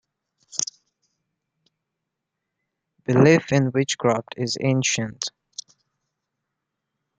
Belief in witchcraft is ancient.